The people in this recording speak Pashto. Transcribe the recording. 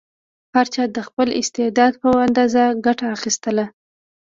هر چا د خپل استعداد په اندازه ګټه اخیستله.